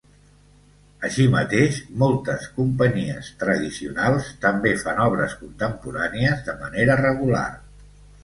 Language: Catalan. Així mateix, moltes companyies "tradicionals" també fan obres contemporànies de manera regular.